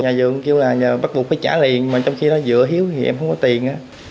nhà vườn kêu là bắt buộc phải trả liền mà trong khi đó vợ hiếu thì em không có tiền